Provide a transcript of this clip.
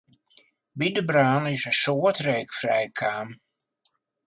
By de brân is in soad reek frijkaam.